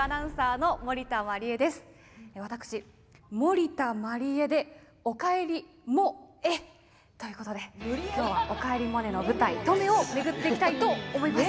私、モリタマリエで「おかえりモエ」ということできょうは「おかえりモネ」の舞台登米を巡っていきたいと思います。